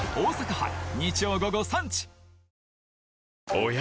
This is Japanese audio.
おや？